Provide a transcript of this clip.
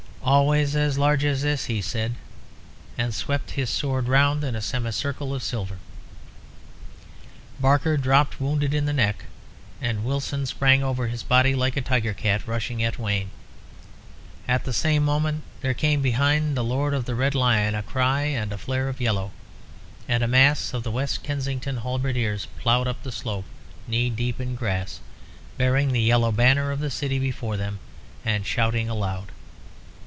"Always as large as this," he said, and swept his sword round in a semicircle of silver. Barker dropped, wounded in the neck; and Wilson sprang over his body like a tiger cat, rushing at Wayne. At the same moment there came behind the Lord of the Red Lion a cry and a flare of yellow, and a mass of the West Kensington halberdiers ploughed up the slope, knee deep in grass, bearing the yellow banner of the city before them, and shouting aloud.